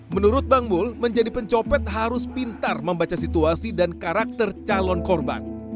menurut bang mul menjadi pencopet harus pintar membaca situasi dan karakter calon korban